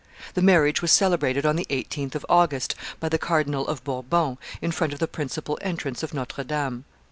The marriage was celebrated on the 18th of August, by the Cardinal of Bourbon, in front of the principal entrance of Notre Dame.